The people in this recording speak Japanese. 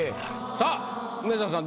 さあ梅沢さん